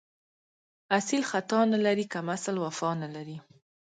اصیل خطا نه لري، کم اصل وفا نه لري